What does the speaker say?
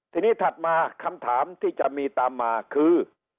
ทีนี้ถัดมาคำถามที่จะมีตามมาคือ